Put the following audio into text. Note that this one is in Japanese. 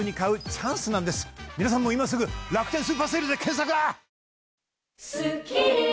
皆さんも今すぐ「楽天スーパーＳＡＬＥ」で検索！